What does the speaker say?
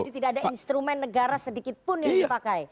jadi tidak ada instrumen negara sedikit pun yang dipakai